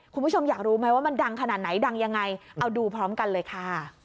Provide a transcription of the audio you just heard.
คุณผู้ชมอยากรู้ไหมว่ามันดังขนาดไหนดังยังไงเอาดูพร้อมกันเลยค่ะ